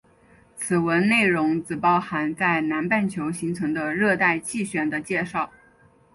此文内容只包含在南半球形成的热带气旋的介绍。